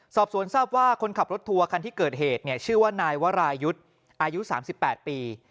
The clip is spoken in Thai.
สอบสวนทราบว่าคนขับรถทัวร์คันที่เกิดเหตุชื่อว่านายวรายุทธ์อายุ๓๘ปี